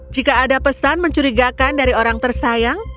jika ada pesan mencurigakan dari orang tersayang